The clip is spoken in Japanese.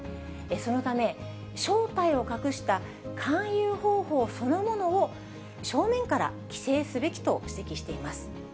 そのため、正体を隠した勧誘方法そのものを正面から規制すべきと指摘しています。